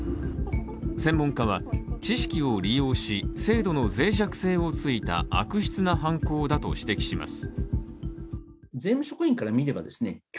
専門家は知識を利用し、制度の脆弱性を突いた悪質な犯行だと指摘します。